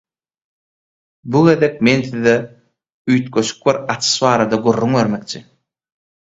Bu gezek men size üýtgeşik bir açyş barada gürrüň bermekçi.